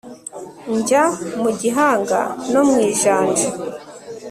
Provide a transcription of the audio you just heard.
Njya mu Gihanga no mw iIjanja